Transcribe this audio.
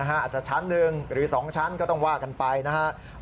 อาจจะชั้นหนึ่งหรือ๒ชั้นก็ต้องว่ากันไปนะครับ